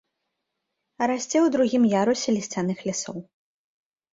Расце ў другім ярусе лісцяных лясоў.